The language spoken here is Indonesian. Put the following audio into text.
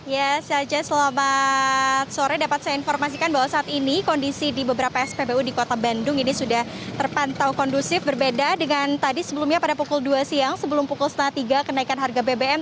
ya saja selamat sore dapat saya informasikan bahwa saat ini kondisi di beberapa spbu di kota bandung ini sudah terpantau kondusif berbeda dengan tadi sebelumnya pada pukul dua siang sebelum pukul setengah tiga kenaikan harga bbm